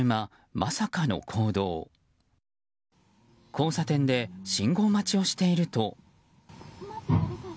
交差点で信号待ちをしていると。